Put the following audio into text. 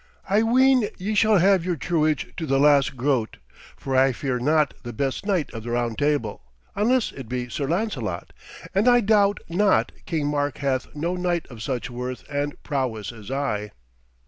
I ween ye shall have your truage to the last groat, for I fear not the best knight of the Round Table, unless it be Sir Lancelot, and I doubt not King Mark hath no knight of such worth and prowess as I.'